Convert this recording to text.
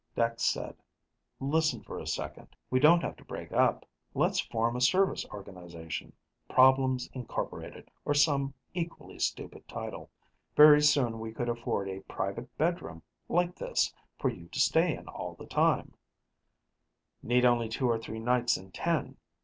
Dex said, "Listen for a second. We don't have to break up. Let's form a service organization, 'Problems, Inc.' or some equally stupid title. Very soon we could afford a private bedroom, like this, for you to stay in all the time " "Need only two or three nights in ten."